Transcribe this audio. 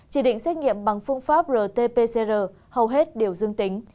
chỉ định xét nghiệm bằng phương pháp rt pcr hầu hết đều dương tính